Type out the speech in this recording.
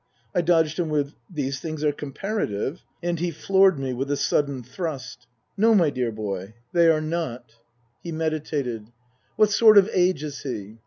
I dodged him with, " These things are comparative," and he floored me with a sudden thrust. " No, my dear boy, they are not." 7 98 Tasker Jevons He meditated. " What sort of age is he